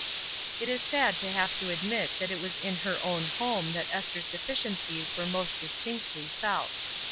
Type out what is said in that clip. It is sad to have to admit that it was in her own home that Esther's deficiencies were most distinctly felt.